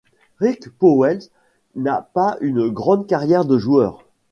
Rik Pauwels n'a pas une grande carrière de joueur.